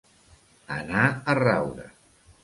Anar a raure.